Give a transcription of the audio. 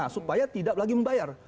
supaya tidak lagi membayar